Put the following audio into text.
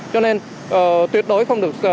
cho nên tuyệt đối không được